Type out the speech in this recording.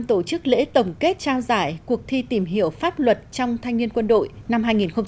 tổ chức lễ tổng kết trao giải cuộc thi tìm hiểu pháp luật trong thanh niên quân đội năm hai nghìn một mươi chín